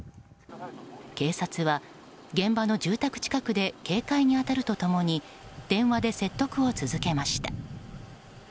警察は、現場の住宅近くで警戒に当たると共に電話で説得を続けました。